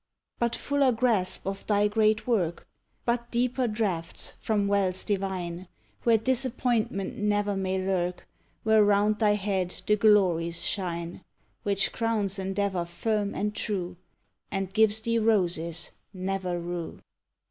But fuller grasp of thy great work; But deeper draughts from wells divine, Where disappointment ne'er may lurk, Where round thy head the glories shine Which crowns endeavor firm and true, And gives thee roses never rue!